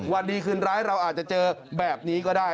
วันดีคืนร้ายเราอาจจะเจอแบบนี้ก็ได้